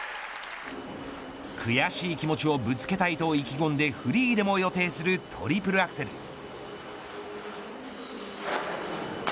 悔しい気持ちをぶつけたいと意気込んでフリーでも予定するトリプルアクセル。